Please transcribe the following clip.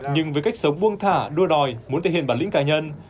nhưng với cách sống buông thả đua đòi muốn thể hiện bản lĩnh cá nhân